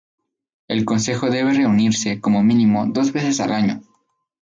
El Consejo debe reunirse, como mínimo, dos veces al año.